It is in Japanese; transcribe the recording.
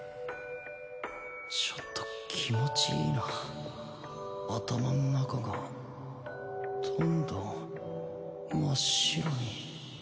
ちょっと気持ちいいな頭の中がどんどん真っ白に